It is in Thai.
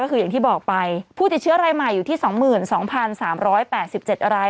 ก็คืออย่างที่บอกไปผู้ติดเชื้อรายใหม่อยู่ที่๒๒๓๘๗ราย